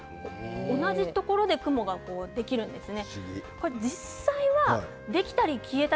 同じところで雲ができるんですね。